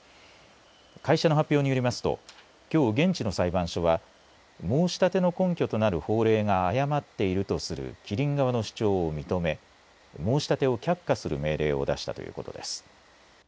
会社の発表によりますときょう、現地の裁判所は申し立ての根拠となる法令が誤っているとするキリン側の主張を認め申し立てを却下する命令を出したということです。